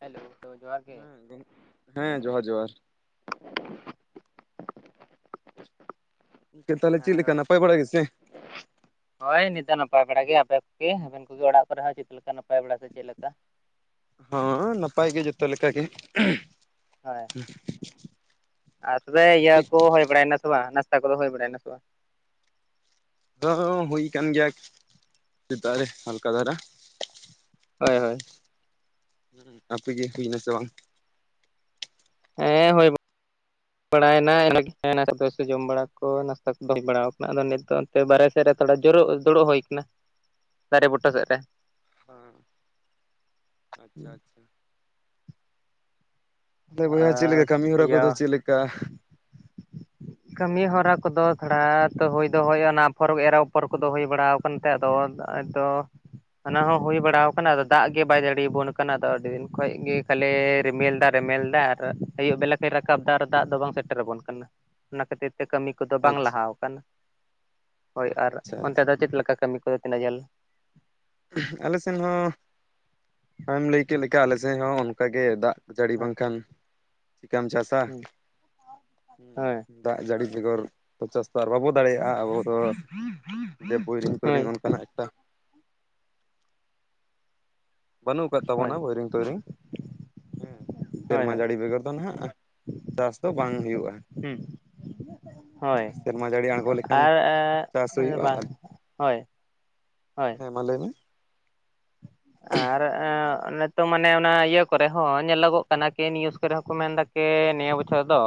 Hello ᱛᱚ ᱡᱚᱦᱟᱨ ᱜᱤ ᱦᱮᱸ ᱜᱚᱝ ᱦᱮᱸ ᱡᱚᱦᱟᱨ ᱡᱚᱦᱟᱨ ᱪᱮᱫ ᱛᱟᱦᱮᱞᱮ ᱦᱮᱸ ᱪᱮᱫ ᱞᱮᱠᱟ ᱨᱚᱲ ᱵᱮᱱ ᱱᱟᱯᱟᱭ ᱵᱟᱲᱟ ᱜᱮᱥᱮ ᱦᱳᱭ ᱱᱤᱛᱚᱜ ᱱᱟᱯᱟᱭ ᱵᱟᱲᱟ ᱜᱮ ᱟᱯᱮ ᱠᱚᱜᱮ ᱟᱵᱮᱱ ᱠᱚᱜᱮ ᱚᱲᱟᱜ ᱠᱚᱨᱮ ᱦᱚᱸ ᱪᱮᱫ ᱞᱮᱠᱟ ᱱᱟᱯᱟᱭ ᱵᱟᱲᱟ ᱥᱮ ᱪᱮᱫ ᱞᱮᱠᱟ ᱦᱚᱸ ᱱᱟᱯᱟᱭ ᱜᱮ ᱡᱚᱛᱚ ᱞᱮᱠᱟ ᱜᱮ ᱦᱚᱭ ᱟᱨ ᱛᱚᱵᱮ ᱤᱭᱟᱹ ᱴᱷᱤᱠ ᱠᱚ ᱦᱩᱭ ᱵᱟᱲᱟᱭᱮ ᱱᱟ ᱥᱮ ᱵᱟᱝ ᱱᱟᱥᱛᱟ ᱠᱚᱫᱚ ᱦᱩᱭ ᱵᱟᱲᱟᱭᱮᱱᱟ ᱥᱮ ᱵᱟᱝ ᱦᱚ ᱦᱚ ᱦᱩᱭ ᱠᱟᱱ ᱜᱮᱭᱟ ᱥᱮᱛᱟᱜ ᱨᱮ ᱦᱟᱞᱠᱟ ᱫᱷᱟᱨᱟ ᱦᱚᱭ ᱦᱚᱭ ᱦᱚᱸ ᱟᱯᱮᱜᱤ ᱦᱩᱭᱱᱟ ᱥᱮ ᱵᱟᱝ ᱦᱮᱸ ᱦᱩᱭ ᱵᱟᱲᱟᱭᱮᱱᱟ ᱤᱥ [unintelligible] ᱡᱚᱢ ᱵᱟᱲᱟ ᱠᱚ ᱱᱟᱥᱛᱟ ᱠᱚ ᱦᱩᱭ ᱵᱟᱲᱟᱣᱟ ᱠᱟᱱᱟ ᱟᱫᱚ ᱱᱤᱛ ᱫᱚ ᱵᱟᱨᱦᱮ ᱥᱮᱫ ᱨᱮ ᱛᱷᱚᱲᱟ ᱡᱩᱨᱩᱜ ᱫᱩᱲᱩᱜ ᱦᱩᱭ ᱠᱟᱱᱟ ᱫᱟᱨᱮ ᱵᱩᱴᱟᱹ ᱥᱮᱫ ᱨᱮ ᱦᱮᱸ ᱟᱪᱪᱷᱟ ᱟᱪᱪᱷᱟ ᱟᱞᱮ [inaudible] ᱵᱚᱭᱦᱟ ᱪᱮᱫ ᱟᱨ ᱞᱮᱠᱟ ᱠᱟᱹᱢᱤ, ᱦᱚᱨᱟ ᱤᱭᱟᱹ ᱠᱚᱫᱚ ᱪᱮᱫ ᱞᱮᱠᱟ ᱠᱟᱹᱢᱤ ᱦᱚᱨᱟ ᱠᱚᱫᱚ ᱛᱷᱚᱲᱟ ᱛᱚ ᱦᱩᱭ ᱫᱚ ᱦᱩᱭ ᱚᱱᱟ ᱟᱯᱷᱚᱨ ᱮᱨ ᱟᱯᱷᱚᱨ ᱠᱚᱫᱚ ᱦᱩᱭ ᱵᱟᱲᱟ ᱠᱟᱱᱛᱮ ᱟᱫᱚ ᱟᱸᱫᱚ ᱚᱱᱟ ᱦᱚᱸ ᱦᱩᱭ ᱵᱟᱲᱟᱣ ᱠᱟᱱᱟ ᱟᱫᱚ ᱫᱟᱜ ᱜᱮ ᱵᱟᱭ ᱡᱟᱹᱲᱤᱭᱟᱵᱚᱱ ᱠᱟᱱᱟ ᱟᱫᱚ ᱟᱹᱰᱤ ᱫᱤᱱ ᱠᱷᱚᱡ ᱜᱮ ᱠᱷᱟᱞᱤ ᱨᱤᱢᱤᱞ ᱫᱟ ᱨᱤᱢᱤᱞ ᱫᱟ ᱟᱨ ᱟᱹᱭᱩᱵ ᱵᱮᱞᱟ ᱨᱟᱠᱟᱵ ᱫᱟ ᱟᱨ ᱫᱟᱜ ᱫᱚ ᱵᱟᱝ ᱥᱮᱴᱮᱨ ᱟᱵᱚᱱ ᱠᱟᱱᱟ ᱚᱱᱟ ᱠᱷᱟᱹᱛᱤᱨ ᱛᱮ ᱠᱟᱹᱢᱤ ᱠᱚᱫᱚ ᱵᱟᱝ ᱟᱪᱪᱷᱟ ᱞᱟᱦᱟᱣ ᱠᱟᱱᱟ ᱦᱳᱭ ᱟᱨ ᱟᱪᱪᱷᱟ ᱚᱱᱛᱮ ᱟᱪᱪᱷᱟ ᱫᱚ ᱪᱮᱫ ᱞᱮᱠᱟ ᱠᱟᱹᱢᱤ ᱠᱚᱫᱚ ᱛᱤᱱᱟᱹᱜ ᱡᱷᱟᱹᱞ ᱟᱞᱮ ᱥᱮᱱ ᱦᱚᱸ ᱟᱢᱮᱢ ᱞᱟᱹᱭ ᱠᱮᱜ ᱞᱮᱠᱟ ᱟᱞᱮ ᱥᱮᱜ ᱦᱚᱸ ᱚᱱᱠᱟᱜᱮ ᱫᱟᱜ ᱡᱟᱲᱤ ᱦᱳᱭ ᱵᱟᱝᱠᱷᱟᱱ ᱪᱤᱠᱟᱹᱢ ᱪᱟᱥᱟ ᱦᱩᱸ ᱦᱳᱭ ᱫᱟᱜ ᱡᱟᱲᱤ ᱵᱮᱜᱚᱨ ᱪᱟᱥ ᱟᱨ ᱵᱟᱵᱚᱼᱼ ᱫᱟᱲᱮᱭᱟᱜ-ᱟ ᱟᱵᱚ ᱫᱚ ᱡᱮ ᱵᱳᱭᱨᱤᱝ ᱦᱳᱭ ᱛᱚᱭᱨᱤᱝ ᱚᱱᱠᱟᱱᱟᱜ ᱮᱴᱟ ᱵᱟᱹᱱᱩᱜ ᱟᱠᱟᱫ ᱦᱳᱭ ᱛᱟᱵᱚᱱᱟ ᱵᱳᱭᱨᱤᱝ ᱛᱳᱭᱨᱤᱝ ᱦᱮᱸ ᱦᱳᱭ ᱥᱮᱨᱢᱟ ᱦᱳᱭ ᱡᱟᱲᱤ ᱵᱮᱜᱚᱨ ᱫᱚ ᱱᱟᱦᱟᱸᱜ ᱪᱟᱥ ᱫᱚ ᱵᱟᱝ ᱦᱩᱭᱩᱜ-ᱟ ᱦᱩᱸ ᱦᱳᱭ ᱥᱮᱨᱢᱟ ᱡᱟᱹᱲᱤ ᱟᱬᱜᱚ ᱞᱮᱠᱷᱟᱱ ᱟᱨ ᱪᱟᱥ ᱮᱸ ᱦᱩᱭᱩᱜᱼᱟ ᱵᱟᱝ ᱦᱳᱭ ᱦᱳᱭ ᱦᱮᱸ ᱢᱟ ᱞᱟᱹᱭ ᱢᱮ ᱟᱨ ᱮᱸ ᱚᱱᱮ ᱛᱚ ᱢᱟᱱᱮ ᱚᱱᱟ ᱤᱭᱟᱹ ᱠᱚᱨᱮ ᱦᱚᱸ ᱧᱮᱞᱚ, ᱜᱚᱜ ᱠᱟᱱᱟ ᱠᱤ ᱱᱤᱭᱩᱥ ᱠᱚᱨᱮ ᱦᱚᱸᱠᱚ ᱢᱮᱱᱫᱟ ᱠᱮ ᱱᱤᱭᱟᱹ ᱵᱚᱪᱷᱚᱨ ᱫᱚ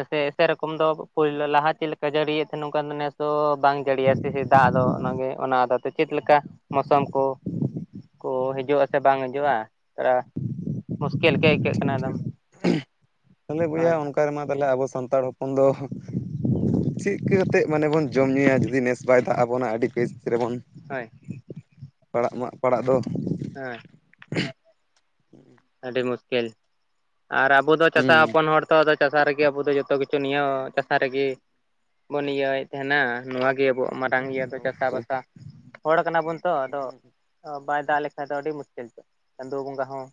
ᱮᱥᱮ ᱥᱮᱨᱚᱠᱚᱢ ᱫᱚ ᱯᱳᱭᱞᱳ ᱞᱟᱦᱟ ᱪᱮᱫ ᱞᱮᱠᱟ ᱡᱟᱹᱲᱤᱭᱮᱫ ᱛᱮᱦᱮᱸᱱᱟ ᱱᱚᱝᱠᱟ ᱱᱮᱥ ᱫᱚ ᱵᱟᱝ ᱡᱟᱹᱲᱤᱭᱟ ᱫᱟᱜ ᱟᱫᱚ ᱚᱱᱟᱜᱮ ᱚᱱᱟ ᱟᱫᱚ ᱛᱮ ᱪᱮᱫ ᱞᱮᱠᱟ ᱢᱳᱥᱚᱢ ᱠᱚ ᱠᱚ ᱦᱤᱡᱩᱜ ᱟᱥᱮ ᱵᱟᱝ ᱦᱤᱡᱩᱜᱼᱟ ᱛᱷᱚᱲᱟ ᱢᱩᱥᱠᱤᱞ ᱜᱮ ᱟᱹᱭᱠᱟᱹᱜ ᱠᱟᱱᱟ ᱟᱫᱚ ᱛᱟᱦᱞᱮ ᱵᱩᱭᱟ ᱦᱳᱭ ᱚᱱᱠᱟ ᱨᱮᱢᱟ ᱛᱟᱦᱞᱮ ᱟᱵᱚ ᱥᱟᱱᱛᱟᱲ ᱦᱚᱯᱚᱱ ᱫᱚ ᱪᱮᱫ ᱠᱟ. ᱛᱮᱫ ᱢᱟᱱᱮ ᱵᱚᱱ ᱡᱚᱢ ᱧᱩᱭᱟ ᱡᱩᱫᱤ ᱱᱮᱥ ᱵᱟᱭ ᱫᱟᱜ ᱟᱵᱚᱱᱟ ᱟᱹᱰᱤ ᱵᱮᱪ ᱨᱮᱵᱚᱱ ᱦᱳᱭ ᱯᱟᱲᱟᱜ ᱢᱟᱜ ᱯᱟᱲᱟᱜ ᱫᱚ ᱦᱮᱸ ᱟᱹᱰᱤ ᱢᱩᱥᱠᱤᱞ ᱟᱨ ᱟᱵᱚ ᱫᱚ ᱪᱟᱥᱟ ᱦᱩᱸ ᱦᱚᱯᱚᱱ ᱦᱚᱲ ᱡᱚᱛᱚ ᱫᱚ ᱪᱟᱥᱟ ᱨᱮᱜᱮ ᱟᱵᱚ ᱫᱚ ᱡᱚᱛᱚ ᱠᱤᱪᱷᱩ ᱱᱤᱭᱟᱹ ᱪᱟᱥᱟ ᱨᱮᱜᱮ ᱵᱚᱱ ᱤᱭᱟᱹᱣᱮᱫ ᱛᱟᱦᱮᱱᱟ ᱱᱚᱣᱟ ᱜᱮ ᱟᱵᱚᱣᱟᱜ ᱢᱟᱨᱟᱝ ᱤᱭᱟᱹ ᱫᱚ ᱪᱟᱥᱟ ᱚᱵᱚᱥᱥᱳᱭ ᱵᱟᱟᱥᱟ ᱦᱚᱲ ᱠᱟᱱᱟ ᱵᱚᱱ ᱛᱚ ᱟᱫᱚ ᱚ ᱵᱟᱭ ᱫᱟᱜ ᱞᱮᱠᱷᱟᱡ ᱫᱚ ᱟᱹᱰᱤ ᱢᱩᱥᱠᱤᱞ ᱛᱚ ᱪᱟᱸᱫᱳ ᱵᱚᱸᱜᱟ ᱦᱚᱸ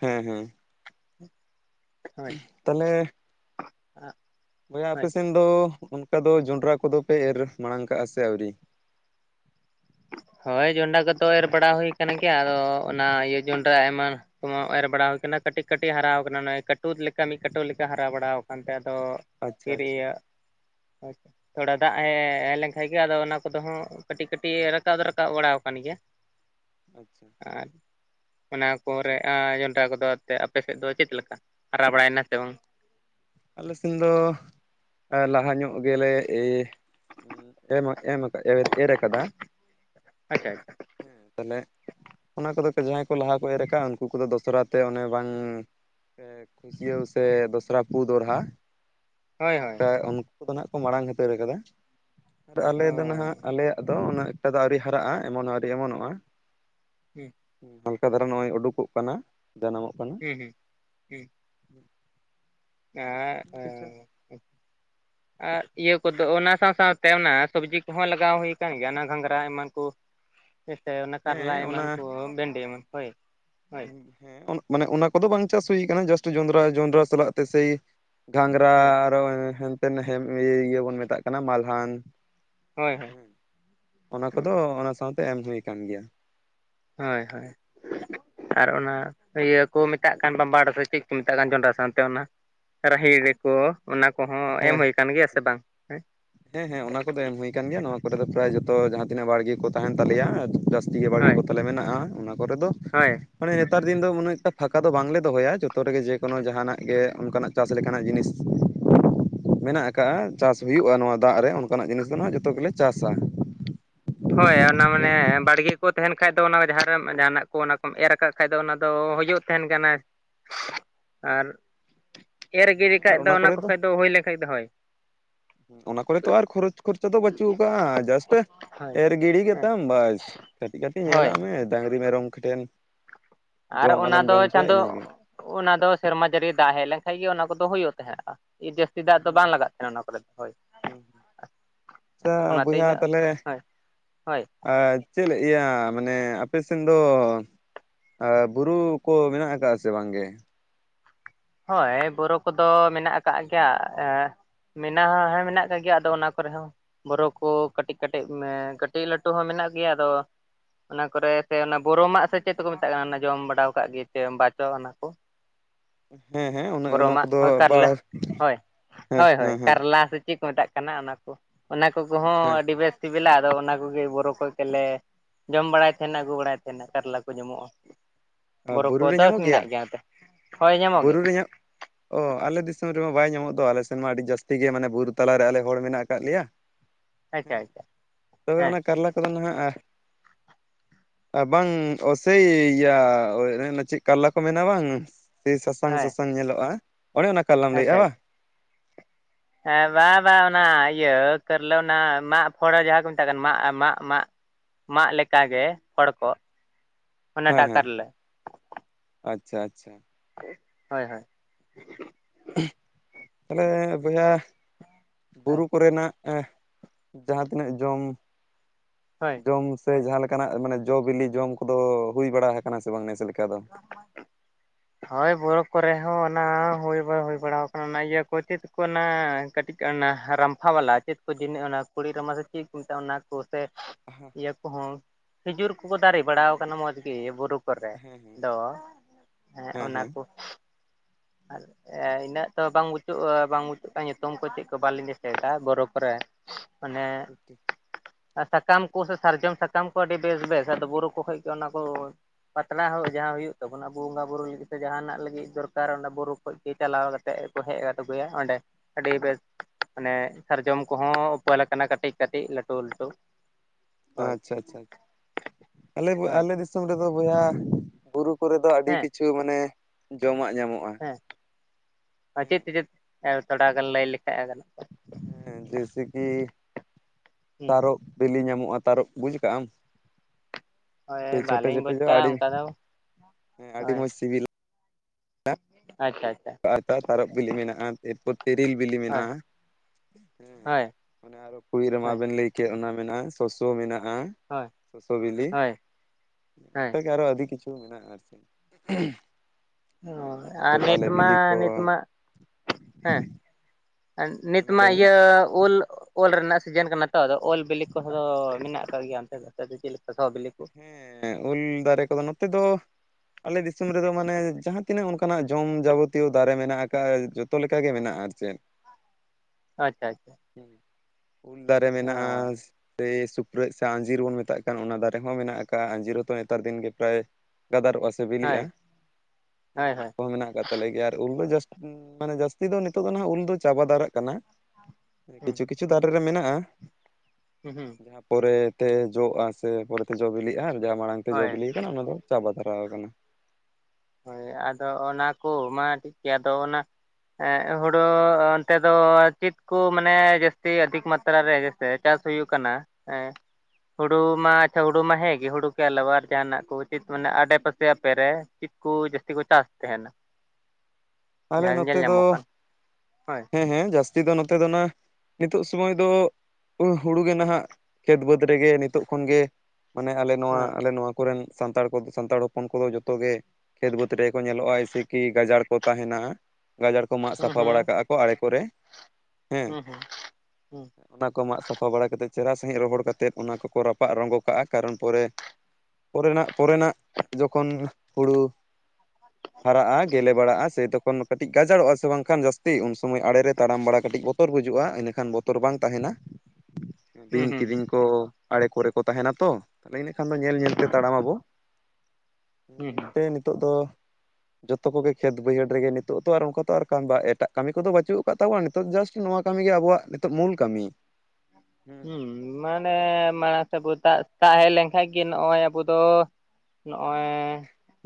ᱦᱮᱸ ᱦᱮᱸ [inaudible] ᱛᱟᱦᱮᱞᱮ [unintelligible] ᱵᱚᱭᱟ ᱟᱯᱮ ᱦᱳᱭ ᱥᱮᱱ ᱫᱚ ᱚᱱᱠᱟ ᱫᱚ ᱡᱚᱸᱰᱽᱨᱟ ᱠᱚᱫᱚ ᱯᱮ ᱮᱨ ᱢᱟᱲᱟᱝ ᱠᱟᱜᱼᱟ ᱥᱮ ᱟᱹᱣᱨᱤ ᱦᱳᱭ ᱡᱚᱸᱰᱽᱨᱟ ᱠᱚᱫᱚ ᱮᱨ ᱵᱟᱲᱟ ᱦᱩᱭ ᱠᱟᱱ ᱜᱮᱭᱟ ᱟᱫᱚ ᱚᱱᱟ ᱤᱭᱟᱹ ᱡᱚᱱᱰᱽᱨᱟ ᱮᱢᱟᱱ ᱠᱚᱸ ᱮᱨ ᱵᱟᱲᱟ ᱦᱩᱭ ᱠᱟᱱᱟ ᱠᱟᱹᱴᱤᱡ ᱠᱟᱹᱴᱤᱡ ᱦᱟᱨᱟᱣ ᱟᱠᱟᱱᱟ ᱱᱚ-ᱚᱭ ᱠᱟᱹᱴᱩ ᱞᱮᱠᱟ ᱢᱤᱫ ᱠᱟᱹᱴᱩᱵ ᱞᱮᱠᱟ ᱦᱟᱨᱟ ᱵᱟᱲᱟ ᱟᱠᱟᱱᱛᱮ ᱟᱫᱚ ᱟᱪᱪᱷᱟ ᱟᱪᱪᱷᱟ ᱠᱤᱨᱤᱭᱟᱜ ᱟᱪᱪᱷᱟ ᱛᱷᱚᱲᱟ ᱫᱟᱜ ᱮ ᱦᱮᱡ ᱞᱮᱱᱠᱷᱟᱱᱡ ᱜᱮ ᱟᱫᱚ ᱚᱱᱟ ᱠᱚᱫᱚ ᱦᱚᱸ ᱠᱟᱹᱴᱤᱡ ᱠᱟᱹᱴᱤᱡ ᱤᱭᱟᱹ ᱨᱟᱠᱟᱵ ᱫᱚ ᱨᱟᱠᱟᱵ ᱵᱟᱲᱟᱣ ᱠᱟᱱ ᱜᱮᱭᱟ ᱟᱪᱪᱷᱟ ᱟᱪ ᱚᱱᱟ ᱠᱚᱨᱮ ᱴᱷᱤᱠ ᱟ ᱴᱷᱤᱠ ᱡᱚᱱ [unintelligible] ᱠᱚᱫᱚ ᱮᱱᱛᱮ ᱟᱯᱮ ᱥᱮᱫ ᱫᱚ ᱪᱮᱫ ᱞᱮᱠᱟ ᱦᱟᱨᱟ ᱵᱟᱲᱟᱭᱮᱱᱟ ᱥᱮ ᱵᱟᱝ ᱟᱞᱮ ᱥᱮᱱ ᱫᱚ ᱞᱟᱦᱟ ᱧᱚᱜ ᱜᱮᱞᱮ ᱮ ᱮᱢᱟ ᱮᱢᱟᱠᱟ ᱮᱣᱮᱨ ᱮᱨ ᱠᱟᱫᱟ [unintelligible] ᱦᱮᱸ ᱛᱟᱞᱮ ᱚᱱᱟ ᱠᱚᱫᱚ ᱠᱚ ᱡᱟᱦᱟᱸᱭ ᱠᱚ ᱞᱟᱦᱟ ᱠᱚ ᱮᱨ ᱠᱟᱜᱼᱟ ᱩᱱᱠᱩ ᱠᱚᱫᱚ ᱫᱚᱥᱨᱟ ᱛᱮ ᱚᱱᱮ ᱵᱟᱝ ᱥᱮ ᱠᱷᱩᱥᱭᱟᱹᱣ ᱥᱮ ᱫᱚᱥᱨᱟ ᱯᱩ ᱫᱚᱦᱲᱟ ᱦᱳᱭ ᱦᱳᱭ ᱚᱱᱠᱟ ᱩᱱᱠᱩ ᱫᱚ ᱱᱟᱜ ᱠᱚ ᱢᱟᱲᱟᱝ ᱦᱟᱹᱛᱟᱹᱨ ᱠᱟᱫᱟ ᱟᱨ ᱚ ᱟᱞᱮ ᱫᱚ ᱱᱟᱦᱟᱜ ᱟᱞᱮᱭᱟᱜ ᱫᱚ ᱩᱱᱟᱹ ᱮᱠᱴᱟ ᱫᱚ ᱟᱹᱣᱨᱤ ᱦᱟᱨᱟᱜᱼᱟ ᱮᱢᱚᱱ ᱦᱚᱸ ᱟᱹᱣᱨᱤ ᱮᱢᱚᱱᱚᱜᱼᱟ ᱦᱩᱸ ᱦᱟᱞᱠᱟ ᱫᱷᱟᱨᱟ ᱱᱚᱜᱼᱚᱭ ᱩᱰᱩᱠᱚᱜ ᱠᱟᱱᱟ ᱡᱟᱱᱟᱢᱚᱜ ᱠᱟᱱᱟ ᱦᱮᱸ ᱦᱩᱸ ᱦᱩᱸ ᱟᱨᱼ [unintelligible] ᱟᱨ ᱤᱭᱟᱹ ᱠᱚᱫᱚ ᱚᱱᱟ ᱥᱟᱶ ᱥᱟᱶᱛᱮ ᱚᱱᱟ ᱥᱚᱵᱽᱡᱤ ᱠᱚᱦᱚᱸ ᱞᱟᱜᱟᱣ ᱦᱩᱭ ᱠᱟᱱᱟᱱ ᱜᱮᱭᱟ ᱚᱱᱟ ᱜᱷᱟᱸᱜᱽᱨᱟ ᱮᱢᱟᱱ ᱠᱚ [inaudible] ᱦᱮᱸᱥᱮ ᱚᱱᱮ ᱠᱟᱨᱞᱟ ᱦᱮᱸ ᱚᱱᱟ ᱮᱢᱟᱱ ᱠᱚ ᱵᱷᱤᱸᱰᱤ ᱮᱢᱟᱱ ᱠᱚ ᱦᱳᱭ ᱦᱳᱭ ᱦᱮᱸ ᱢᱟᱱᱮ ᱚᱱᱟ ᱠᱚᱫᱚ ᱵᱟᱝ ᱪᱟᱥ ᱦᱩᱭ ᱠᱟᱱᱟ ᱡᱟᱥᱴ ᱡᱚᱱᱫᱽᱨᱟ ᱡᱚᱸᱰᱽᱨᱟ ᱥᱟᱞᱟᱜ ᱛᱮ ᱥᱮ ᱜᱷᱟᱸᱝᱨᱟ ᱦᱳᱭ ᱟᱨᱚ ᱦᱮᱱᱛᱮᱱ ᱦᱮ ᱤᱧ ᱤᱭᱟᱹ ᱵᱚᱱ ᱢᱮᱛᱟᱜ ᱠᱟᱱᱟ ᱢᱟᱞᱦᱟᱱ ᱦᱳᱭ ᱦᱳᱭ ᱚᱱᱟ ᱠᱚᱫᱚ ᱚᱱᱟ ᱥᱟᱶᱛᱮ ᱮᱢ ᱦᱩᱭ ᱠᱟᱱ ᱜᱮᱭᱟ ᱦᱳᱭ ᱦᱳᱭ ᱟᱨ ᱚᱱᱟ ᱤᱭᱟᱹ ᱠᱚ ᱢᱮᱛᱟᱜ ᱠᱟᱱ ᱵᱟᱢᱵᱟᱲ ᱥᱮ ᱪᱮᱫ ᱠᱚ ᱢᱮᱛᱟᱜ ᱠᱟᱱ ᱡᱚᱱᱰᱽᱨᱟ ᱥᱟᱶᱛᱮ ᱚᱱᱟ ᱨᱟᱦᱮᱤᱲ ᱠᱚ ᱚᱱᱟ ᱠᱚᱦᱚᱸ ᱮᱢ ᱦᱩᱭ ᱠᱟᱱ ᱜᱮᱭᱟ ᱥᱮ ᱵᱟᱝ ᱦᱮᱸ ᱦᱮᱸ ᱦᱮᱸ ᱚᱱᱟ ᱠᱚᱫᱚ ᱮᱢ ᱦᱩᱭ ᱠᱟᱱ ᱜᱮᱭᱟ ᱱᱚᱣᱟ ᱠᱚᱨᱮ ᱫᱚ ᱯᱨᱟᱭ ᱡᱚᱛᱚ ᱡᱟᱦᱟᱸ ᱛᱤᱱᱟᱹᱜ ᱵᱟᱲᱜᱮ ᱠᱚ ᱛᱟᱦᱮᱱ ᱛᱟᱞᱮᱭᱟ ᱟ ᱡᱟᱥ ᱰᱤ ᱜᱮ ᱵᱟᱲᱜᱮ ᱦᱳᱭ ᱠᱚ ᱛᱟᱞᱮ ᱢᱮᱱᱟᱜᱼᱟ ᱚᱱᱟ ᱠᱚᱨᱮ ᱫᱚ ᱦᱳᱭ ᱢᱟᱱᱮ ᱱᱮᱛᱟᱨ ᱫᱤᱱ ᱫᱚ ᱩᱱᱟᱹᱜ ᱮᱠᱴᱟ ᱯᱷᱟᱸᱠᱟ ᱫᱚ ᱵᱟᱝᱞᱮ ᱫᱚᱦᱚᱭᱟ ᱡᱚᱛᱚ ᱨᱮᱜᱮ ᱡᱮᱠᱚᱱᱳ ᱡᱟᱦᱟᱱᱟᱜ ᱜᱮ ᱚᱱᱠᱟᱱᱟᱜ ᱪᱟᱥ ᱞᱮᱠᱟᱱᱟᱜ ᱡᱤᱱᱤᱥ ᱢᱮᱱᱟᱜ ᱟᱠᱟᱜᱼᱟ ᱪᱟᱥ ᱦᱩᱭᱩᱜᱼᱟ ᱱᱚᱣᱟ ᱫᱟᱜ ᱨᱮ ᱚᱱᱠᱟᱱᱟᱜ ᱡᱤᱱᱤᱥ ᱫᱚ ᱱᱟᱦᱟᱜ ᱡᱚᱛᱚ ᱜᱮᱞᱮ ᱪᱟᱥᱟ ᱦᱳᱭ ᱚᱱᱟ ᱢᱟᱱᱮ ᱵᱟᱲᱜᱮ ᱠᱚ ᱛᱟᱦᱮᱱ ᱠᱷᱟᱡ ᱫᱚ ᱚᱱᱟ ᱡᱟᱦᱟᱸᱨᱮ ᱡᱟᱦᱟᱸᱱᱟᱜ ᱠᱚ ᱚᱱᱟ ᱠᱚᱢ ᱮᱨ ᱟᱠᱟᱫ ᱠᱷᱟᱡ ᱫᱚ ᱚᱱᱟ ᱫᱚ ᱦᱩᱭᱩᱜ ᱛᱟᱦᱮᱱ ᱠᱟᱱᱟ ᱟᱨ ᱮᱨ ᱜᱤᱰᱤ ᱦᱮᱸ ᱟᱨ ᱠᱷᱟᱱᱡ ᱫᱚ ᱚᱱᱟ ᱠᱚᱨᱮ ᱠᱚ ᱠᱷᱚᱡ ᱫᱚ ᱦᱩᱭ ᱞᱮᱱᱠᱷᱟᱡ ᱫᱚ ᱦᱳᱭ ᱚᱱᱟ ᱠᱚᱨᱮ ᱛᱚ ᱟᱨ ᱠᱷᱚᱨᱚᱪ ᱠᱷᱚᱨᱪᱟ ᱫᱚ ᱵᱟᱹᱪᱩᱜ ᱠᱟᱜ ᱡᱟᱥᱴ ᱮ ᱦᱳᱭ ᱮᱨ ᱜᱤᱰᱤ ᱦᱮᱸ ᱠᱟᱛᱟᱢ ᱵᱟᱥ ᱠᱟᱹᱴᱤᱡ ᱠᱟᱹᱴᱤᱡ ᱦᱳᱭ ᱧᱮᱞᱟᱜ ᱢᱮ ᱰᱟᱝᱨᱤ ᱢᱮᱨᱚᱢ ᱴᱷᱮᱱ ᱟᱨ ᱡᱚᱢ ᱚᱱᱟ ᱟᱞᱚᱢ ᱫᱚ ᱡᱚᱢ ᱦᱚᱪᱚᱭᱟ ᱪᱟᱸᱫᱳ ᱤᱱᱟᱹᱜᱮ ᱚᱱᱟ ᱫᱚ ᱥᱮᱨᱢᱟ ᱡᱟᱹᱲᱤ ᱫᱟᱜ ᱦᱮᱡ ᱞᱮᱱᱠᱷᱟᱱ ᱜᱮ ᱚᱱᱟ ᱠᱚᱫᱚ ᱦᱩᱭᱩᱜ ᱛᱟᱦᱮᱸᱱᱟ ᱡᱟᱹᱥᱛᱤ ᱫᱟᱜ ᱫᱚ ᱦᱩᱸ ᱵᱟᱝ ᱦᱩᱸ ᱞᱟᱜᱟᱜ ᱛᱟᱦᱮᱱᱟ ᱚᱱᱟ ᱠᱚᱨᱮ ᱫᱚ ᱦᱳᱭ ᱦᱩᱸ ᱟᱪᱪᱷᱟ ᱚᱱᱟᱛᱮ ᱵᱚᱭᱦᱟ ᱤᱱᱟᱹᱜ ᱛᱟᱦᱚᱞᱮ ᱦᱳᱭ ᱦᱳᱭ ᱟᱡ ᱪᱮᱞ ᱤᱭᱟ ᱢᱟᱱᱮ ᱟᱯᱮ ᱥᱮᱱ ᱫᱚ ᱟ ᱵᱩᱨᱩ ᱠᱚ ᱢᱮᱱᱟᱜ ᱠᱟᱜᱼᱟ ᱥᱮ ᱵᱟᱝ ᱜᱮ ᱦᱳᱭ ᱵᱩᱨᱳ ᱠᱚᱫᱚ ᱢᱮᱱᱟᱜ ᱟᱠᱟᱫ ᱜᱮᱭᱟ ᱢᱮᱱᱟᱜ ᱦᱮᱸ ᱢᱮᱱᱟᱜ ᱟᱠᱟᱜ ᱜᱮᱭᱟ ᱟᱫᱚ ᱚᱱᱟ ᱠᱚᱨᱮ ᱦᱚᱸ ᱵᱚᱨᱚ ᱠᱚ ᱠᱟᱹᱴᱤᱡ ᱠᱟᱹᱴᱤᱡ ᱢᱮ ᱠᱟᱹᱴᱤᱡ ᱞᱟᱹᱴᱩ ᱦᱚᱸ ᱢᱮᱱᱟᱜ ᱜᱮᱭᱟ ᱟᱫᱚ ᱚᱱᱟ ᱠᱚᱨᱮ ᱥᱮ ᱚᱱᱟ ᱵᱚᱨᱚᱢᱟᱜ ᱥᱮ ᱪᱮᱫ ᱠᱚ ᱢᱮᱛᱟᱜ ᱠᱟᱱᱟ ᱡᱚᱢ ᱵᱟᱲᱟ ᱠᱟᱜ ᱜᱮ ᱪᱚᱢ ᱵᱟ ᱪᱚᱢ ᱚᱱᱟ ᱠᱚ ᱦᱮᱸ ᱦᱮᱸ ᱚᱱᱟ ᱵᱚᱨᱚᱜ ᱚᱱᱟ ᱠᱚᱫᱚ ᱦᱳᱭ ᱠᱟᱨᱞᱟ ᱵᱟᱲᱟᱭ ᱦᱳᱭ ᱦᱮᱸ ᱦᱳᱭ ᱦᱳᱭ ᱦᱮᱸ ᱦᱮᱸ ᱠᱟᱨᱞᱟ ᱥᱮ ᱪᱮᱫ ᱠᱚ ᱢᱮᱛᱟᱜ ᱠᱟᱱᱟ ᱚᱱᱟ ᱠᱚ ᱚᱱᱟ ᱠᱚ ᱠᱚᱦᱚᱸ ᱦᱮᱸ ᱟᱹᱰᱤ ᱵᱮᱥ ᱥᱤᱵᱤᱞᱟ ᱟᱫᱚ ᱚᱱᱟ ᱠᱚᱜᱮ ᱵᱚᱨᱚ ᱠᱚ ᱛᱮᱞᱮ ᱡᱚᱢ ᱵᱟᱲᱟᱭ ᱛᱟᱦᱮᱱᱟ ᱟᱹᱜᱩ ᱵᱟᱲᱟᱭ ᱛᱟᱦᱮᱱᱟ ᱠᱟᱨᱞᱟ ᱠᱚ ᱧᱟᱢᱚᱜᱼᱟ ᱵᱚᱨᱚ ᱵᱩᱨᱩ ᱨᱮ ᱠᱚᱫᱚ ᱧᱟᱢᱚᱜ ᱢᱮᱱᱟᱜ ᱜᱮᱭᱟ ᱱᱚᱛᱮ ᱦᱳᱭ ᱧᱟᱢᱚᱜ ᱜᱮ ᱵᱩᱨᱩ ᱨᱮ ᱧᱚᱜ ᱚ ᱟᱞᱮ ᱫᱤᱥᱚᱢ ᱨᱮᱢᱟ ᱵᱟᱭ ᱧᱟᱢᱚᱜ ᱫᱚ ᱟᱞᱮ ᱥᱮᱱ ᱢᱟ ᱟᱹᱰᱤ ᱡᱟᱹᱥᱛᱤ ᱜᱮ ᱢᱟᱱᱮ ᱵᱩᱨᱩ ᱛᱟᱞᱟᱨᱮ ᱟᱞᱮ ᱦᱚᱲ ᱢᱮᱱᱟᱜ ᱟᱠᱟᱫ ᱞᱮᱭᱟ ᱟᱪᱪᱷᱟ ᱦᱩᱸ ᱟᱪᱪᱷᱟ ᱛᱚᱵᱮ ᱦᱮᱸ ᱚᱱᱟ ᱠᱟᱨᱞᱟ ᱠᱚᱫᱚ ᱱᱟᱦᱟᱸᱜ ᱟᱨ ᱵᱟᱝ ᱚ ᱥᱮᱭᱟ ᱳ ᱚᱱ ᱚᱱᱟ ᱪᱮᱫ ᱠᱟᱨᱞᱟ ᱠᱚ ᱢᱮᱱᱟ ᱵᱟᱝ ᱥᱤ ᱥᱟᱥᱟᱝ ᱦᱮᱸ ᱥᱟᱥᱟᱝ ᱧᱮᱞᱚᱜᱼᱟ ᱚᱱᱮ ᱚᱱᱟ ᱠᱟᱨᱞᱟᱢ ᱞᱟᱹᱭᱮᱫᱼᱟ ᱟᱪᱪᱷᱟ ᱵᱟ ᱟᱪᱪᱷᱟ ᱦᱮᱸ ᱵᱟ ᱵᱟᱝ ᱚᱱᱟ ᱤᱭᱟᱹ ᱠᱟᱨᱞᱳ ᱚᱱᱟ ᱢᱟᱜ ᱯᱷᱚᱲᱟ ᱡᱟᱦᱟᱸ ᱠᱚ ᱢᱮᱛᱟᱜ ᱠᱟᱱᱟ ᱢᱟᱜ ᱢᱟᱜ ᱢᱟᱜ ᱢᱟᱜ ᱞᱮᱠᱟᱜ ᱜᱮ ᱦᱚᱲ ᱠᱚ ᱦᱮᱸ ᱚᱱᱟᱴᱟᱜ ᱦᱮᱸ ᱠᱟᱨᱞᱟ ᱟᱪᱪᱷᱟ ᱟᱪᱪᱷᱟ ᱦᱳᱭ ᱦᱳᱭ ᱛᱟᱦᱞᱮ ᱵᱚᱭᱦᱟ ᱦᱳᱭ ᱵᱩᱨᱩ ᱠᱚᱨᱮᱱᱟᱜ ᱮ ᱡᱟᱦᱟᱸ ᱛᱤᱱᱟᱹᱜ ᱡᱚᱢ ᱦᱳᱭ ᱡᱚᱢ ᱥᱮ ᱡᱟᱦᱟᱸ ᱞᱮᱠᱟᱱᱟᱜ ᱢᱟᱱᱮ ᱡᱚ ᱵᱤᱞᱤ ᱡᱚᱢ ᱠᱚᱫᱚ ᱦᱩᱭ ᱵᱟᱲᱟ ᱟᱠᱟᱱᱟ ᱥᱮ ᱵᱟᱝ ᱱᱮᱥ ᱞᱮᱠᱟ ᱫᱚ [inaudible] ᱦᱳᱭ ᱵᱚᱨᱚᱯ ᱠᱚᱨᱮ ᱦᱚᱸ ᱚᱱᱟ ᱦᱩᱭ ᱵᱟ ᱦᱩᱭ ᱵᱟᱲᱟᱣ ᱟᱠᱟᱱᱟ ᱚᱱᱟ ᱤᱭᱟᱹ ᱠᱚ ᱪᱮᱫ ᱠᱚ ᱚᱱᱟ ᱠᱟᱹᱴᱤᱡ ᱚᱱᱟ ᱨᱟᱢᱯᱷᱟ ᱵᱟᱞᱟ ᱪᱮᱫ ᱠᱚ ᱡᱤᱱ ᱚᱱᱟ ᱠᱩᱲᱤ ᱨᱟᱢᱟ ᱥᱮ ᱪᱮᱫ ᱠᱚ ᱢᱮᱛᱟᱜᱼᱟ ᱚᱱᱟ ᱠᱚ ᱥᱮ ᱦᱮᱸ ᱤᱭᱟᱹ ᱠᱚᱦᱚᱸ ᱠᱷᱤᱡᱩᱨ ᱠᱚᱠᱚ ᱫᱟᱨᱮ ᱵᱟᱲᱟ ᱠᱟᱱᱟ ᱢᱚᱸᱡᱽ ᱜᱮ ᱵᱩᱨᱩ ᱠᱚᱨᱮ ᱦᱮᱸ ᱫᱚ ᱦᱮᱸ ᱚᱱᱟ ᱦᱮᱸ ᱠᱚ ᱟᱨ ᱮᱜ. ᱤᱱᱟᱹᱜ ᱛᱚ ᱵᱟᱝ ᱵᱩᱛᱩᱜᱼᱟ ᱵᱟᱝ ᱵᱩᱛᱩᱜᱼᱟ ᱧᱩᱛᱩᱢ ᱠᱚ ᱪᱮᱫ ᱠᱚ ᱵᱟᱞᱤᱧ ᱫᱤᱥᱟᱹᱭ ᱫᱟ ᱵᱚᱨᱚ ᱠᱚᱨᱮ ᱚᱱᱮ ᱟᱨ ᱥᱟᱠᱟᱢ ᱠᱩ ᱥᱟᱨᱡᱚᱢ ᱥᱟᱠᱟᱢ ᱠᱚ ᱟᱹᱰᱤ ᱵᱮᱥ ᱵᱮᱥ ᱟᱫᱚ ᱵᱩᱨᱩ ᱠᱚ ᱠᱷᱚᱡ ᱜᱮ ᱚᱱᱟ ᱠᱚ ᱯᱟᱛᱲᱟ ᱦᱚᱸ ᱡᱟᱦᱟᱸ ᱦᱩᱭᱩᱜ ᱛᱟᱵᱚᱱᱟ ᱟᱵᱚ ᱵᱚᱸᱜᱟ ᱵᱩᱨᱩ ᱞᱟᱹᱜᱤᱫ ᱛᱮ ᱡᱟᱦᱟᱸᱱᱟᱜ ᱞᱟᱹᱜᱤᱫ ᱫᱚᱨᱠᱟᱨ ᱛᱟᱨ ᱚᱱᱟ ᱵᱩᱨᱩ ᱠᱷᱚᱭᱜ ᱜᱤ ᱪᱟᱞᱟᱣ ᱠᱟᱛᱮ ᱠᱚ ᱦᱮᱡ ᱟᱴ ᱟᱹᱜᱩᱭᱟ ᱚᱸᱰᱮ ᱟᱹᱰᱤ ᱵᱮᱥ ᱢᱟᱱᱮ ᱥᱟᱨᱡᱚᱢ ᱠᱚᱦᱚᱸ ᱩᱯᱟᱹᱞᱟᱠ ᱠᱟᱹᱴᱤᱡ ᱠᱟᱹᱴᱤᱡ ᱞᱟᱹᱴᱩ ᱞᱟᱹᱴᱩ ᱦᱳᱭ ᱟᱪᱪᱷᱟ ᱟᱪᱪᱷᱟ ᱟᱞᱮ ᱦᱳᱭ ᱟᱞᱮ ᱫᱤᱥᱚᱢ ᱨᱮᱫᱚ ᱵᱚᱭᱦᱟ ᱵᱩᱨᱩ ᱠᱚᱨᱮ ᱫᱚ ᱟᱹᱰᱤ ᱦᱮᱸ ᱠᱤᱪᱷᱩ ᱢᱟᱱᱮ ᱡᱚᱢᱟᱜ ᱧᱟᱢᱚᱜᱼᱟ ᱦᱮᱸ ᱪᱮᱫ ᱦᱮᱸ ᱪᱮᱫ ᱛᱷᱚᱲᱟ ᱜᱟᱱ ᱞᱟᱹᱭ ᱞᱮᱠᱷᱟ ᱜᱟᱱᱚᱜ ᱦᱮᱸ ᱡᱮᱭᱥᱮ ᱠᱤ ᱦᱩᱸ ᱛᱟᱨᱚᱜ ᱵᱤᱞᱤ ᱧᱟᱢᱚᱜᱼᱟ ᱛᱟᱨᱚᱜ ᱵᱩᱡᱽ ᱠᱟᱜ ᱟᱢ ᱦᱳᱭ ᱥᱮ ᱪᱷᱚᱴᱚ ᱵᱟᱹᱞᱤᱧ ᱪᱷᱚᱴᱚ ᱵᱩᱡᱽ ᱡᱚᱜᱼᱟ ᱠᱟᱜᱼᱟ ᱟᱹᱰᱤ ᱚᱱᱠᱟ ᱫᱚ ᱦᱮᱸ ᱟᱹᱰᱤ ᱦᱳᱭ ᱢᱚᱸᱡᱽ ᱥᱤᱵᱤᱞᱟ [unintelligible] ᱟᱪᱪᱷᱟ ᱟᱪᱪᱷᱟ [unintelligible] ᱛᱟᱨᱚᱵ ᱵᱤᱞᱤ ᱢᱮᱱᱟᱜᱼᱟ ᱮᱨᱯᱚᱨ ᱛᱤᱨᱤᱞ ᱵᱤᱞᱤ ᱦᱳᱭ ᱢᱮᱱᱟᱜᱼᱟ ᱦᱮᱸ ᱦᱳᱭ ᱚᱱᱮ ᱟᱨᱚ ᱠᱩᱭ ᱨᱮᱢᱟ ᱦᱳᱭ ᱵᱮᱱ ᱞᱟᱹᱭ ᱠᱮᱫ ᱚᱱᱟ ᱢᱮᱱᱟᱜᱼᱟ ᱥᱚᱥᱳ ᱢᱮᱱᱟᱜᱼᱟ ᱦᱳᱭ ᱥᱚᱥᱚ ᱵᱤᱞᱤ ᱦᱳᱭ ᱦᱳᱭ ᱚᱱᱠᱟ ᱜᱮ ᱟᱨᱦᱚᱸ ᱟᱹᱰᱤ ᱠᱤᱪᱷᱩ ᱢᱮᱱᱟᱜᱼᱟ ᱟᱨᱠᱤ ᱚ ᱟᱨ ᱱᱤᱛ ᱢᱟ ᱠᱚ ᱱᱤᱛ ᱢᱟ ᱦᱮᱸ ᱱᱤᱛ ᱦᱮᱸ ᱢᱟ ᱞᱟᱹᱭ ᱢᱮ ᱤᱭᱟᱹ ᱩᱞ ᱚᱞ ᱨᱮᱱᱟᱜ ᱥᱤᱡᱮᱱ ᱠᱟᱱᱟ ᱛᱚ ᱟᱫᱚ ᱚᱞ ᱵᱤᱞᱤ ᱠᱚᱦᱚᱸ ᱫᱚ ᱢᱮᱱᱟᱜ ᱟᱠᱟᱫ ᱜᱮᱭᱟ ᱚᱱᱛᱮ ᱫᱚ ᱪᱮᱫ ᱞᱮᱠᱟ ᱥᱚ ᱵᱤᱞᱤ ᱠᱚ ᱦᱮᱸ ᱩᱞ ᱫᱟᱨᱮ ᱠᱚᱫᱚ ᱱᱚᱛᱮ ᱫᱚ, ᱟᱞᱮ ᱫᱤᱥᱚᱢ ᱨᱮᱫᱚ ᱢᱟᱱᱮ ᱡᱟᱦᱟᱸ ᱛᱤᱱᱟᱹᱜ ᱚᱱᱠᱟᱱᱟᱜ ᱡᱚᱢ ᱡᱟᱵᱚᱛᱤᱭᱚ ᱫᱟᱨᱮ ᱢᱮᱱᱟᱜ ᱟᱠᱟᱫᱼᱟ ᱡᱚᱛ ᱡᱷᱚᱛᱚ ᱞᱮᱠᱟ ᱜᱮ ᱢᱮᱱᱟᱜᱼᱟ ᱟᱨ ᱪᱮᱫ ᱟᱪᱪᱷᱟ ᱟᱪᱪᱷᱟ ᱩᱞ ᱫᱟᱨᱮ ᱚ ᱢᱮᱱᱟᱜᱼᱟ ᱥᱮᱭ ᱥᱩᱠᱨᱟᱹᱜ ᱥᱮ ᱟᱸᱡᱤᱨ ᱵᱚᱱ ᱢᱮᱛᱟᱜ ᱠᱟᱱ ᱚᱱᱟ ᱫᱟᱨᱮ ᱨᱮᱦᱚᱸ ᱢᱮᱱᱟᱜ ᱟᱠᱟᱫᱼᱟ ᱟᱸᱡᱤᱨᱚ ᱱᱮᱛᱟᱨ ᱫᱤᱱ ᱜᱮ ᱯᱨᱟᱭ ᱜᱟᱫᱟᱨᱚᱜᱼᱟ ᱥᱮ ᱦᱳᱭ ᱵᱤᱞᱤᱼᱟ ᱦᱮᱸ ᱦᱳᱭ ᱚᱱᱟ ᱦᱳᱭ ᱠᱚᱦᱚᱸ ᱢᱮᱱᱟᱜ ᱟᱠᱟᱫ ᱛᱟᱞᱮ ᱜᱮᱭᱟ ᱟᱨ ᱩᱞ ᱫᱚ ᱢᱟᱱᱮ ᱡᱟᱹᱥᱛᱤ ᱫᱚ ᱱᱤᱛᱚᱜ ᱫᱚᱦᱟᱜ ᱩᱞ ᱫᱚ ᱪᱟᱵᱟ ᱫᱷᱟᱨᱟᱜ ᱠᱟᱱᱟ ᱦᱩᱸ ᱠᱤᱪᱷᱩ ᱠᱤᱪᱷᱩ ᱫᱟᱨᱮ ᱨᱮ ᱢᱮᱱᱟᱜᱼᱟ ᱦᱩᱸ ᱦᱩᱸ ᱡᱟᱦᱟᱸ ᱯᱚᱨᱮᱛᱮ ᱡᱚᱜᱼᱟ ᱥᱮ ᱯᱚᱨᱮᱛᱮ ᱡᱚ ᱵᱤᱞᱤᱜᱼᱟ ᱟᱨ ᱡᱟᱦᱟᱸ ᱢᱟᱲᱟᱝ ᱛᱮ ᱡᱚ ᱦᱳᱭ ᱵᱤᱞᱤ ᱟᱠᱟᱱᱟ ᱚᱱᱟ ᱫᱚ ᱪᱟᱵᱟ ᱫᱷᱟᱨᱟᱣ ᱟᱠᱟᱱᱟ ᱾ ᱦᱳᱭ ᱟᱫᱚ ᱚᱱᱟ ᱠᱚ ᱢᱟ ᱴᱷᱤᱠ ᱜᱮ ᱟᱫᱚ ᱚᱱᱟ ᱮ ᱦᱩᱲᱩ ᱚᱱᱛᱮ ᱫᱚ ᱪᱮᱫ ᱠᱚ ᱢᱟᱱᱮ ᱡᱟᱹᱥᱛᱤ ᱟᱫᱷᱤᱠ ᱢᱟᱛᱨᱟ ᱨᱮ? ᱯᱮ ᱪᱟᱥ ᱦᱩᱭᱩᱜ ᱠᱟᱱᱟ ᱮᱸ ᱦᱩᱲᱩ ᱢᱟ ᱟᱪᱪᱷᱟ ᱦᱩᱲᱩ ᱢᱟ ᱦᱮᱸᱜᱮ ᱦᱩᱲᱩ ᱠᱚ ᱟᱞᱟᱣᱟ ᱟᱨ ᱡᱟᱦᱟᱱᱟᱜ ᱠᱚ ᱪᱮᱫ ᱢᱟᱱᱟᱜᱼᱟ ᱟᱰᱮ ᱯᱟᱥᱮ ᱟᱯᱮᱨᱮ? ᱪᱮᱫ ᱠᱚ ᱡᱟᱹᱥᱛᱤ ᱠᱚ ᱪᱟᱥ ᱛᱟᱦᱮᱱᱟ ᱟᱞᱮ ᱡᱟᱦᱟᱸ ᱧᱮᱞ ᱱᱚᱛᱮ ᱧᱟᱢᱚᱜ ᱫᱚ, ᱠᱟᱱ ᱦᱳᱭ ᱦᱮᱸ ᱦᱮᱸ ᱡᱟᱹᱥᱛᱤ ᱫᱚ ᱱᱚᱛᱮ ᱫᱚ ᱱᱟᱜ ᱱᱤᱛᱚᱜ ᱥᱚᱢᱚᱭ ᱫᱚ ᱩᱦ ᱦᱩᱲᱩ ᱜᱮ ᱱᱟᱦᱟᱸᱜ ᱠᱷᱮᱛ ᱵᱟᱹᱫᱽ ᱨᱮᱜᱮ ᱱᱤᱛᱚᱜ ᱠᱷᱚᱱ ᱜᱮ ᱢᱟᱱᱮ ᱟᱞᱮ ᱱᱚᱶᱟ ᱦᱮᱸ ᱟᱞᱮ ᱱᱚᱶᱟ ᱠᱚᱨᱮᱱ ᱥᱟᱱᱛᱟᱲ ᱠᱚᱫᱚ ᱥᱟᱱᱛᱟᱲ ᱦᱚᱯᱚᱱ ᱠᱚᱫᱚ ᱡᱷᱚᱛᱚ ᱜᱮ ᱠᱷᱮᱛ ᱵᱟᱹᱫᱽ ᱨᱮ ᱠᱚ ᱧᱮᱞᱚᱜᱼᱟ ᱤᱥᱮ ᱠᱤ ᱜᱟᱡᱟᱲ ᱠᱚ ᱛᱟᱦᱮᱱᱟ ᱜᱟᱡᱟᱲ ᱠᱚ ᱢᱟᱜ ᱦᱩᱸ ᱥᱟᱯᱷᱟ ᱵᱟᱲᱟ ᱠᱟᱜᱼᱟ ᱠᱚ ᱟᱲᱮ ᱠᱚᱨᱮ ᱦᱮᱸ ᱦᱩᱸ ᱦᱩᱸ ᱦᱩᱸ ᱚᱱᱟ ᱠᱚ ᱢᱟᱜ ᱥᱟᱯᱷᱟ ᱵᱟᱲᱟ ᱠᱟᱛᱮᱫ ᱪᱮᱦᱨᱟ ᱥᱟᱺᱦᱤᱡ ᱨᱚᱦᱚᱲ ᱠᱟᱛᱮᱫ ᱚᱱᱟ ᱠᱚᱠᱚ ᱨᱟᱯᱟᱜ ᱨᱚᱝᱜᱚ ᱠᱟᱜᱼᱟ ᱠᱟᱨᱚᱱ ᱯᱚᱨᱮ ᱯᱚᱨᱮᱱᱟᱜ ᱯᱚᱨᱮᱱᱟᱜ ᱡᱚᱠᱷᱚᱱ ᱦᱩᱲᱩ ᱦᱟᱨᱟᱜᱼᱟ ᱜᱮᱞᱮ ᱵᱟᱲᱟᱜᱼᱟ ᱥᱮ ᱛᱚᱠᱷᱚᱱ ᱠᱟᱹᱴᱤᱡ ᱜᱟᱡᱟᱲᱚᱜᱼᱟ ᱥᱮ ᱵᱟᱝᱠᱷᱟᱱ ᱡᱟᱹᱥᱛᱤ ᱩᱱ ᱥᱚᱢᱚᱭ ᱟᱲᱮ ᱨᱮ ᱛᱟᱲᱟᱢ ᱵᱟᱲᱟ ᱠᱟᱹᱴᱤᱡ ᱵᱚᱛᱚᱨ ᱵᱩᱡᱩᱜᱼᱟ, ᱤᱱᱟᱹᱠᱷᱟᱱ ᱵᱚᱛᱚᱨ ᱛᱚᱨ ᱵᱟᱝ ᱛᱟᱦᱮᱸᱱᱟ ᱦᱩᱸ ᱦᱩᱸ ᱵᱤᱧ ᱦᱩᱸ ᱦᱩᱸ ᱠᱤᱫᱤᱧ ᱠᱚ ᱟᱲᱮ ᱠᱚᱨᱮ ᱠᱚ ᱛᱟᱦᱮᱸᱱᱟ ᱛᱚ ᱛᱟᱦᱞᱮᱸ ᱤᱱᱟᱹ ᱠᱷᱟᱱ ᱫᱚ ᱧᱮᱞ ᱧᱮᱞ ᱛᱮ ᱛᱟᱲᱟᱢ ᱟᱵᱚ ᱤᱱᱟ. ᱦᱩᱸ ᱦᱩᱸ ᱤᱱᱟᱹᱛᱮ ᱱᱤᱛᱚᱜ ᱫᱚ ᱡᱚᱛᱚ ᱠᱚᱜᱮ ᱠᱷᱮᱛ ᱵᱟᱹᱭᱦᱟᱹᱲ ᱨᱮᱜᱮ ᱱᱤᱛᱚᱜ ᱛᱚ ᱟᱨ ᱚᱱᱠᱟ ᱛᱚ ᱟᱨ ᱮᱴᱟᱜ ᱠᱟᱹᱢᱤ ᱠᱚᱫᱚ ᱵᱟᱪᱩᱜ ᱟᱠᱟᱫ ᱛᱟᱵᱚᱱᱟ, ᱱᱤᱛᱚᱜ ᱡᱟᱥᱴ ᱱᱚᱣᱟ ᱠᱟᱹᱢᱤ ᱜᱮ ᱟᱵᱚᱣᱟᱜ, ᱢᱩᱞ ᱠᱟᱹᱢᱤ ᱦᱮᱸ ᱢᱟᱱᱮ ᱢᱟᱲᱟᱝ ᱥᱮᱫ ᱫᱟᱜ ᱦᱮᱡᱢ ᱞᱮᱱᱠᱷᱟᱡ ᱜᱮ ᱱᱚᱜᱼᱚᱭ ᱟᱵᱚ ᱫᱚ ᱾ ᱱᱚᱜᱼᱚᱭ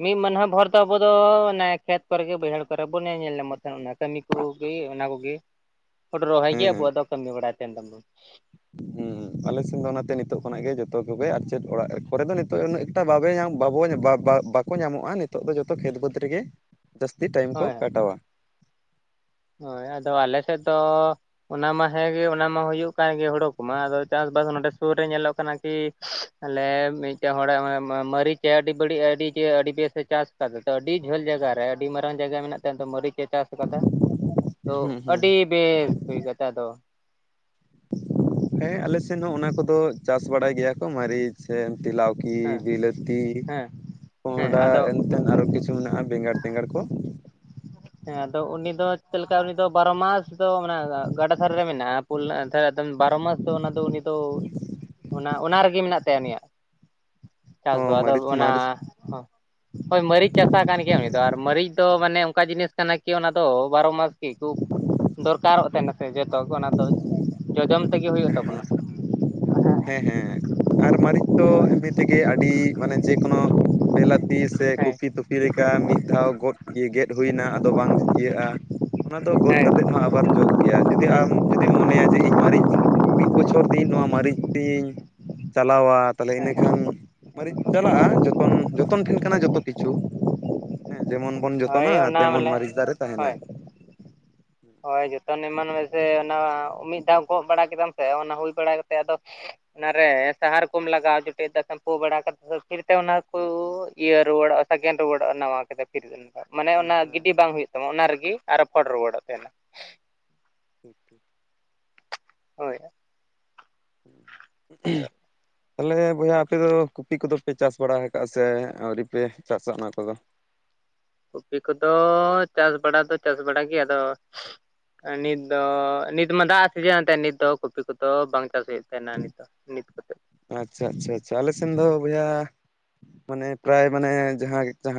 ᱢᱤᱫ ᱢᱟᱹᱱᱦᱟᱹ ᱵᱷᱳᱨ ᱫᱚ ᱟᱵᱚ ᱫᱚ ᱚᱱᱮ ᱠᱷᱮᱛ ᱠᱚᱨᱮ ᱜᱮ ᱵᱟᱭᱦᱟᱹᱲ ᱠᱚᱨᱮ ᱵᱚᱱ ᱧᱮᱞ ᱧᱟᱢᱟ ᱠᱟᱹᱢᱤ ᱠᱚᱜᱮ ᱚᱱᱟ ᱠᱚᱜ ᱜᱮ ᱦᱚᱲᱚ ᱨᱚᱦᱚᱭ ᱜᱮ ᱦᱮᱸ ᱟᱵᱚᱣᱟᱜ ᱫᱚ ᱠᱟᱹᱢᱤ ᱵᱟᱲᱟ ᱠᱮᱱ ᱛᱟᱵᱚᱱᱟ ᱦᱩᱸ ᱟᱞᱮ ᱥᱮᱱ ᱫᱚ ᱚᱱᱟᱛᱮ ᱱᱤᱛᱚᱜ ᱠᱷᱚᱱᱟᱜ ᱜᱮ ᱡᱷᱚᱛᱚ ᱠᱚᱜᱮ ᱟᱨ ᱪᱮᱫ ᱚᱲᱟᱜ ᱠᱚᱨᱮ ᱫᱚ ᱱᱤᱛᱚᱜ ᱩᱱᱟᱹ ᱮᱠᱴᱟ ᱵᱟᱵᱮ ᱧᱟᱢ ᱵᱟᱵᱚ ᱵᱟᱠᱚ ᱧᱟᱢᱚᱜᱼᱟ ᱾ ᱱᱤᱛᱚᱜ ᱫᱚ ᱡᱚᱛᱚ ᱠᱷᱮᱛ ᱵᱟᱹᱫᱽ ᱨᱮᱜᱮ ᱡᱟᱹᱥᱛᱤ ᱴᱟᱭᱤᱢ ᱦᱳᱭ ᱠᱚ ᱦᱳᱭ ᱠᱟᱴᱟᱣᱟ ᱦᱳᱭ ᱟᱫᱚ ᱟᱞᱮ ᱥᱮᱫ ᱫᱚ ᱚᱱᱟ ᱢᱟ ᱦᱮᱸᱜᱮ ᱚᱱᱟ ᱢᱟ ᱦᱩᱭᱩᱜ ᱠᱟᱱ ᱜᱮ ᱦᱩᱲᱚ ᱠᱚᱢᱟ ᱟᱫᱚ ᱪᱟᱥ-ᱵᱟᱥ ᱱᱚᱸᱰᱮ ᱥᱩᱨ ᱨᱮ ᱧᱮᱞᱚᱜ ᱠᱟᱱᱟ ᱠᱤ ᱟᱞᱮ ᱢᱤᱫᱴᱮᱱ ᱦᱚᱲᱟᱜ ᱢᱟ.. ᱢᱟ.. ᱢᱟ. ᱨᱤᱪ ᱟᱹᱰᱤ ᱵᱟᱹᱲᱤᱡ ᱟᱹᱰᱤ ᱟᱹᱰᱤ ᱵᱮᱥ ᱮ ᱪᱟᱥ [unintelligible] ᱟᱹᱰᱤ ᱡᱷᱟᱹᱞ ᱡᱟᱭᱜᱟ ᱨᱮ ᱟᱹᱰᱤ ᱢᱟᱨᱟᱝ ᱡᱟᱭᱜᱟ ᱢᱮᱱᱟᱜ ᱛᱟᱭᱟ ᱢᱟᱹᱨᱤᱪ ᱮ ᱪᱟᱥ ᱟᱠᱟᱫᱟ ᱛᱚ ᱦᱩᱸ ᱦᱩᱸ ᱟᱹᱰᱤ ᱵᱮᱥ ᱦᱩᱭ ᱠᱟᱛᱮᱫ ᱟᱫᱚ ᱦᱮᱸ ᱟᱞᱮ ᱥᱮᱱ ᱦᱚᱸ ᱚᱱᱟ ᱠᱚᱫᱚ ᱪᱟᱥ ᱵᱟᱲᱟᱭ ᱜᱮᱭᱟ ᱠᱚ ᱢᱟᱹᱨᱤᱪ ᱥᱮ ᱛᱮᱞᱟᱣ ᱦᱮᱸ [unintelligible] ᱵᱤᱞᱟᱹᱛᱤ ᱦᱮᱸ ᱠᱚᱸᱦᱚ ᱦᱮᱸ ᱰᱟ ᱟᱫᱚ ᱮᱱᱛᱮᱱ ᱟᱨᱚ ᱠᱤᱪᱷᱩ ᱢᱮᱱᱟᱜᱼᱟ ᱵᱮᱸᱜᱟᱲ ᱛᱮᱸᱜᱟᱲ ᱠᱚ ᱦᱮᱸ ᱟᱫᱚ ᱩᱱᱤ ᱫᱚ ᱪᱮᱫ ᱞᱮᱠᱟ ᱩᱱᱤ ᱫᱚ ᱵᱟᱨᱚ ᱢᱟᱥ ᱫᱚ ᱢᱟᱱᱮ ᱜᱟᱰᱟ ᱛᱷᱟᱨᱮ ᱨᱮ ᱢᱮᱱᱟᱜᱼᱟ ᱩᱞ [unintelligible] ᱵᱟᱨᱚ ᱢᱟᱥ ᱫᱚ ᱚᱱᱟ ᱫᱚ ᱩᱱᱤ ᱫᱚ ᱚᱱᱟ ᱚᱱᱟ ᱨᱮᱜᱮ ᱢᱮᱱᱟᱜ ᱛᱟᱭᱟ ᱩᱱᱤᱭᱟᱜ ᱪᱟᱥ ᱫᱚ ᱦᱚᱸ ᱟᱫᱚ ᱢᱟᱹᱨᱤᱪ ᱢᱟᱹᱨᱤᱪ ᱚᱱᱟ ᱦᱳᱭ ᱢᱟᱹᱨᱤᱪ ᱪᱟᱥᱟᱜ ᱠᱟᱱ ᱜᱮᱭᱟ ᱩᱱᱤ ᱫᱚ ᱟᱨ ᱢᱟᱹᱨᱤᱪ ᱫᱚ ᱢᱟᱱᱮ ᱚᱱᱠᱟ ᱡᱤᱱᱤᱥ ᱠᱟᱱᱟ ᱠᱤ ᱚᱱᱟ ᱫᱚ ᱵᱟᱨᱚ ᱢᱟᱥ ᱪᱮᱫ ᱠᱚ ᱫᱚᱨ ᱠᱟ ᱨᱚᱜ ᱛᱟᱦᱮᱸ ᱱᱟ ᱥᱮ ᱡᱚᱛᱚ ᱚᱱᱟ ᱫᱚ ᱡᱚ ᱡᱚᱢ ᱛᱮ ᱜᱮ ᱦᱳᱭᱳᱜ ᱛᱟᱵᱚ ᱦᱮᱸ ᱱᱟ ᱦᱮᱸ ᱦᱮᱸ ᱟᱨ ᱢᱟᱨᱤᱪ ᱫᱚ ᱮᱢᱱᱤ ᱛᱮ ᱜᱮ ᱟᱹᱰᱤ ᱢᱟᱱᱮ ᱡᱮ ᱠᱳᱱᱳ ᱵᱮᱞᱟᱛ ᱛᱤ ᱥᱮ ᱦᱮᱸ ᱠᱩᱯᱤ ᱛᱩᱯᱤ ᱞᱮᱠᱟ ᱢᱤᱫ ᱫᱷᱟᱣ ᱜᱚᱫ ᱜᱮᱫ ᱦᱩᱭ ᱱᱟ ᱟᱫᱚ ᱵᱟᱝ ᱤᱭᱟᱹᱜᱼᱟ ᱚᱱᱟ ᱫᱚ ᱜᱚᱫ ᱠᱟᱛᱮᱫ ᱦᱮᱸ ᱦᱚᱸ ᱟᱵᱟᱨ ᱡᱚᱜ ᱜᱮᱭᱟ ᱡᱩᱫᱤ ᱟᱢ ᱡᱩᱫᱤᱢ ᱢᱚᱱᱮᱭᱟ ᱡᱮ ᱤᱧ ᱢᱟ. ᱨᱟᱹᱨᱤᱪ ᱢᱤᱫ ᱵᱚᱪᱷᱚᱨ ᱫᱤᱱ ᱱᱚᱶᱟ ᱢᱟᱨᱟᱹᱨᱤᱪ ᱛᱤᱧ ᱪᱟᱞᱟᱣᱟ ᱛᱟᱦᱚᱞᱮ ᱦᱮᱸ ᱤᱱᱟᱹᱠᱷᱟᱱ ᱢᱤᱨᱤᱡ ᱪᱟᱞᱟᱜᱼᱟ ᱡᱚᱛᱚᱱ ᱡᱚᱛᱚᱱ ᱴᱷᱮᱱ ᱠᱟᱱᱟ ᱡᱷᱚᱛᱚ ᱠᱤᱪᱷᱩ ᱦᱮᱸ ᱡᱮᱢᱚᱱ [unintelligible] ᱦᱳᱭ ᱡᱚᱛᱚᱱᱟ ᱚᱱᱟ ᱛᱮᱢᱚᱱ ᱢᱟᱱᱮ ᱢᱟᱹᱨᱤᱪ ᱫᱟᱨᱮ ᱛᱟᱦᱮ ᱱᱟ ᱦᱳᱭ ᱦᱳᱭ ᱡᱚᱛᱚᱱ ᱮᱢᱟᱱ ᱢᱮᱥᱮ ᱚᱱᱟ ᱢᱤᱫ ᱫᱷᱟᱣ ᱜᱚᱜ ᱵᱟᱲᱟ ᱠᱮᱫᱟᱢ ᱥᱮ ᱚᱱᱟ ᱦᱩᱭ ᱵᱟᱲᱟ ᱠᱟᱛᱮ ᱟᱫᱚ ᱚᱱᱟ ᱨᱮ ᱥᱟᱦᱟᱨ ᱠᱚᱢ ᱞᱟᱜᱟᱣ [unintelligible] ᱯᱩ ᱵᱟᱲᱟ ᱠᱟᱛᱮ ᱯᱷᱤᱨ ᱛᱮ ᱚᱱᱟ ᱠᱚ ᱤᱭᱟᱹ ᱨᱩᱣᱟᱹᱲᱚᱜᱼᱟ ᱥᱟᱜᱮᱱ ᱨᱩᱣᱟᱹᱲᱚᱜᱼᱟ ᱱᱟᱣᱟ ᱠᱟᱛᱮᱫ ᱯᱷᱤᱨ ᱢᱟᱱᱮ ᱦᱮᱸ ᱚᱱᱟ ᱦᱮᱸ ᱜᱤᱰᱤ ᱵᱟᱝ ᱦᱩᱭᱩᱜ ᱛᱟᱢᱟ ᱚᱱᱟ ᱨᱮᱜᱮ ᱟᱨ ᱨᱚᱯᱷᱚᱲ ᱨᱩᱣᱟᱹᱲᱚᱜ ᱛᱟᱦᱮᱱᱟ [inaudible] ᱦᱳᱭ ᱟᱫᱚ [unintelligible] ᱛᱟᱞᱮ ᱵᱚᱭᱦᱟ ᱟᱯᱮ ᱫᱚ ᱠᱚᱯᱤ ᱠᱚᱫᱚ ᱯᱮ ᱪᱟᱥ ᱵᱟᱲᱟ ᱟᱠᱟᱟᱜᱼᱟ ᱥᱮ ᱟᱹᱣᱨᱤ ᱯᱮ ᱪᱟᱥ-ᱟ ᱚᱱᱟ ᱠᱚ ᱫᱚ ᱠᱩᱯᱤ ᱠᱚᱫᱚ ᱪᱟᱥ ᱵᱟᱲᱟ ᱫᱚ ᱪᱟᱥ ᱵᱟᱲᱟ ᱜᱮ ᱟᱫᱚ ᱱᱤᱛ ᱫᱚ ᱱᱤᱛ ᱢᱟ ᱫᱟᱜ ᱥᱤᱡᱮᱱ ᱛᱟᱦᱮᱸ ᱱᱤᱛ ᱫᱚ ᱠᱚᱯᱤ ᱠᱚ ᱫᱚ ᱵᱟᱝ ᱪᱟᱥ ᱦᱩᱭᱩᱜ ᱛᱟᱦᱮᱸ ᱱᱟ ᱱᱤᱛ ᱫᱚ ᱱᱤᱛ ᱠᱚᱛᱮ ᱟᱪᱪᱷᱟ ᱟᱪᱪᱷᱟ ᱟᱞᱮ ᱥᱮᱱ ᱫᱚ ᱵᱚᱭᱦᱟ ᱢᱟᱱᱮ ᱯᱮᱨᱟ-ᱭ ᱢᱟᱱᱮ ᱡᱟᱦᱟᱸ ᱡᱟᱦᱟᱸ